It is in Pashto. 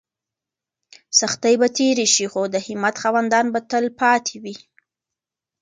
سختۍ به تېرې شي خو د همت خاوندان به تل پاتې وي.